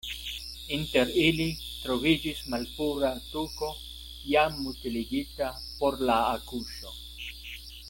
Inter ili troviĝis malpura tuko jam utiligita por la akuŝo.